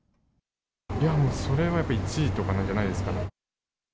いやもう、それはやっぱ１位とかなんじゃないですかね。